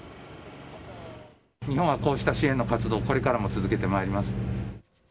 日本はこうした支援の活動をこれからも続けてまいります。